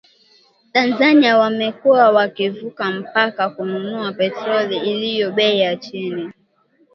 Tanzania wamekuwa wakivuka mpaka kununua petroli iliyo bei ya chini